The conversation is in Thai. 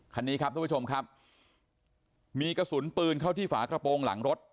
คันนี้ครับทุกผู้ชมครับมีกระสุนปืนเข้าที่ฝากระโปรงหลังรถ